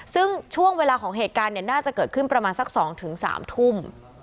ซึ่งช่วงเวลาของเหตุการณ์เนี่ยน่าจะเกิดขึ้นประมาณสักสองถึงสามทุ่ม